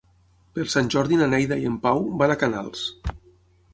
Per Sant Jordi na Neida i en Pau van a Canals.